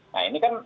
nah ini kan